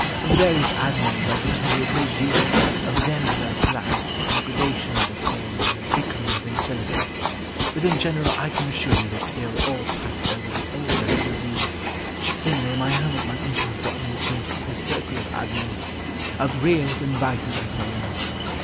Of various admirals I could tell you a great deal; of them and their flags, and the gradation of their pay, and their bickerings and jealousies. But in general, I can assure you that they are all passed over and all very ill used. Certainly my home at my uncle's brought me acquainted with a circle of admirals. Of Rears and Vices I saw enough.